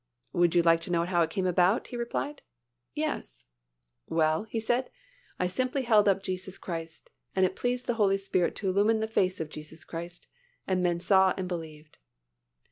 "Would you like to know how it came about?" he replied. "Yes." "Well," he said, "I simply held up Jesus Christ and it pleased the Holy Spirit to illumine the face of Jesus Christ, and men saw and believed."